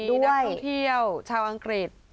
นักท่องเที่ยวชาวอังกฤษ